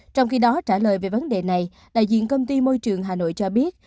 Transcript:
trong khi đó trả lời về vấn đề này đại diện công ty môi trường hà nội cho biết